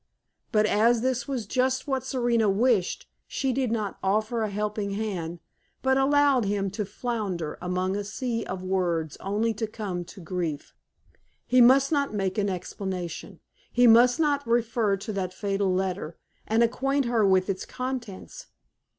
But as this was just what Serena wished, she did not offer a helping hand, but allowed him to flounder among a sea of words only to come to grief. He must not make an explanation. He must not refer to that fatal letter, and acquaint her with its contents.